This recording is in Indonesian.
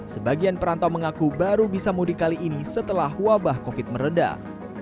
sebagian perantau mengaku baru bisa mudik kali ini setelah wabah covid meredah